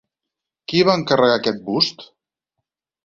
Qui va encarregar aquest bust?